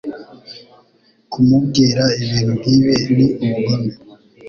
Kumubwira ibintu nkibi ni ubugome.